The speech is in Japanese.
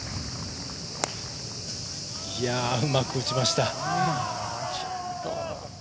うまく打ちました。